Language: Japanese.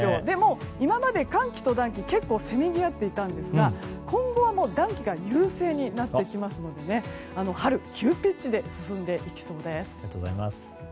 今まで寒気と暖気はせめぎ合っていたんですが今後はもう暖気が優勢になってきますので春、急ピッチで進んでいきそうです。